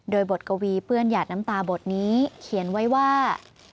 โดยบทกวีเปื้อนหยาดน้ำตาบทนี้เขียนไว้ว่า